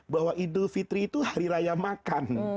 bahwa idul fitri itu hari raya makan